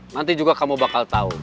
nanti juga kamu bakal tahu